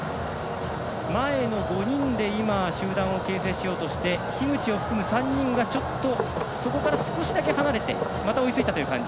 前の５人で集団を形成しようとして樋口を含む３人が、ちょっとそこから少しだけ離れてまた追いついたという感じ。